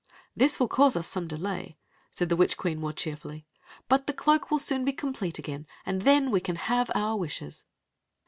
"This will cause us some delay," said the witch queen, more cheerfully ;" but the cloak will soon be complete again, and then we can have our wishes."